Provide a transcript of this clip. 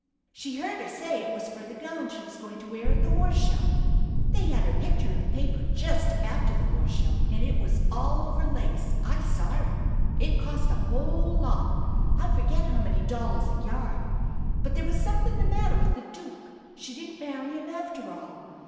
She heard her say it was for the gown she was going to wear at the horse show. They had her picture in the paper just after the horse show, and it was all over lace, I saw it. It cost a whole lot. I forget how many dollars a yard. But there was something the matter with the dook. She didn't marry him, after all.